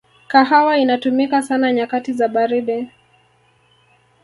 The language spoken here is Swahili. kahawa inatumika sana nyakati za baridi